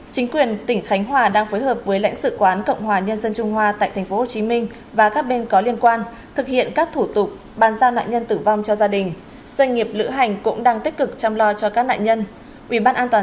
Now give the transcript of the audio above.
chính quyền tỉnh khánh hòa đang phối hợp với lãnh sự quán cộng hòa nhân dân trung hoa tại thành phố hồ chí minh và các bên có liên quan thực hiện các thủ tục bàn giao nạn nhân tử vong cho gia đình doanh nghiệp lựa hành cũng đang tích cực chăm lo cho các nạn nhân